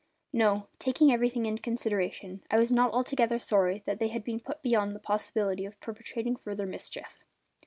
No; taking everything into consideration I was not altogether sorry that they had been put beyond the possibility of perpetrating further mischief.